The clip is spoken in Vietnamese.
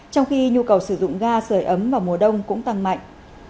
trong khi nhu cầu sử dụng ga sởi ấm vào mùa đông cũng tăng mạnh